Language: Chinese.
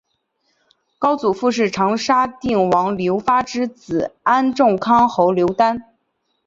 高祖父是长沙定王刘发之子安众康侯刘丹。